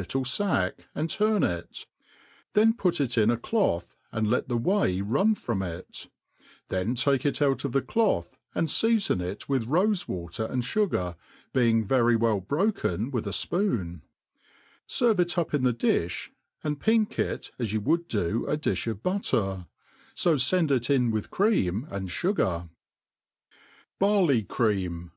little fack, and turn it ; then put it in a cloth, and let the whey run from it ; then take it out of th<S cloth, and feafon it with' rofe waiter and fugar, being yery well broken with a fpoon ; ferve it up in the difl), and piak it as you would do a difh of butter, fo fend it in with cream and[ fugar. , Barky Cream.